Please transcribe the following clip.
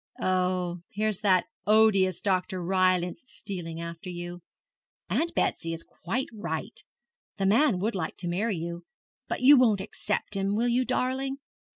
Oh, here's that odious Dr. Rylance stealing after you. Aunt Betsy is quite right the man would like to marry you but you won't accept him, will you, darling?